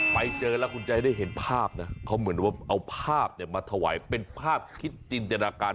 ไปเจอแล้วคุณจะได้เห็นภาพนะเขาเหมือนว่าเอาภาพมาถวายเป็นภาพคิดจินตนาการ